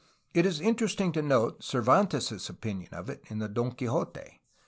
It is inter esting to note Cervantes' opinion of it in the Don Quixote.